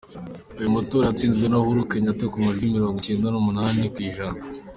Ayo matora yatsinzwe na Uhuru Kenyatta ku majwi mirongo icyenda n’umunani ku ijana.